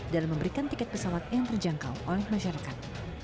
dalam memberikan tiket pesawat yang terjangkau oleh masyarakat